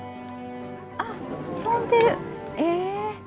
あっ飛んでるえ。